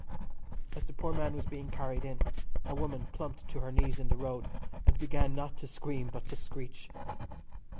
As the poor man was being carried in, a woman plumped to her knees in the road and began not to scream but to screetch.